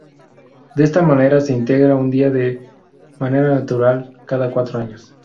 De esta manera se integra un día de manera natural cada cuatro años.